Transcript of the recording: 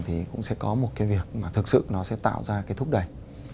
thì cũng sẽ có một cái việc mà thực sự nó sẽ tạo ra cái thúc đẩy